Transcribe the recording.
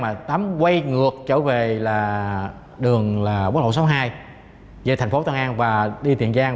mà tám quay ngược trở về là đường là quốc lộ số hai về thành phố tân an và đi tiền giang